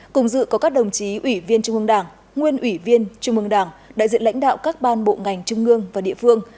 cùng dự có các đồng chí ủy viên trung ương đảng nguyên ủy viên trung ương đảng đại diện lãnh đạo các ban bộ ngành trung ương và địa phương